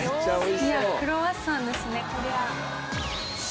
いやクロワッサンですねこりゃ。